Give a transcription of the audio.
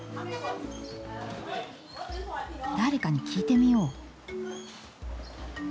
誰かに聞いてみよう。